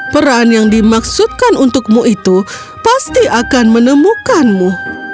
peran yang dimaksudkan untukmu itu pasti akan menemukanmu